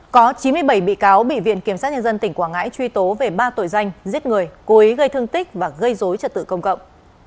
có chín mươi bảy bị cáo bị viện kiểm sát nhân dân tỉnh quảng ngãi truy tố về ba tội danh giết người cố ý gây thương tích và gây dối trật tự công cộng